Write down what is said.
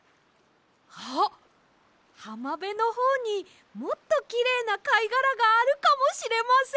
あっはまべのほうにもっときれいなかいがらがあるかもしれません！